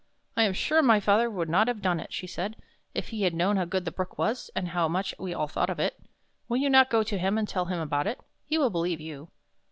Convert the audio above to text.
" I am sure my father would not have done it," she said, " if he had known how good the Brook was, and how much we all thought of it. Will you not go to him, and tell him about it? He will believe you."